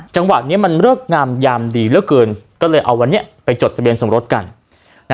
จังหวะนี้มันเลิกงามยามดีเหลือเกินก็เลยเอาวันนี้ไปจดทะเบียนสมรสกัน